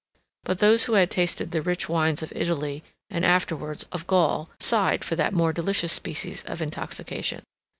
But those who had tasted the rich wines of Italy, and afterwards of Gaul, sighed for that more delicious species of intoxication.